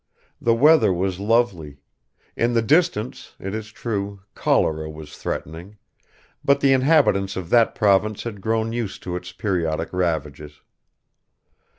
The weather was lovely; in the distance, it is true, cholera was threatening, but the inhabitants of that province had grown used to its periodic ravages.